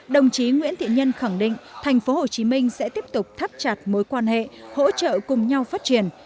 đồng chí nguyễn thiện nhân khẳng định tp hcm sẽ tiếp tục thắt chặt mối quan hệ hỗ trợ cùng nhau phát triển